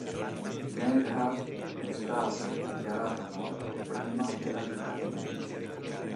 Neidhart è stato dichiarato morto prima dell’arrivo dei medici.